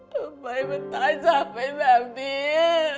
ทำไมมันตายจากไปแบบนี้